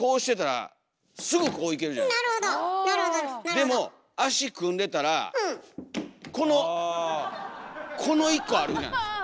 でも足組んでたらこのこの１個あるじゃないですか。